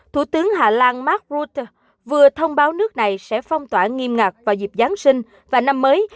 thủ tướng hà lan mark rutte vừa thông báo nước này sẽ phong tỏa nghiêm ngặt vào dịp giáng sinh và năm mới